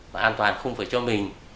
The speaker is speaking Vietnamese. và an toàn không phải cho mình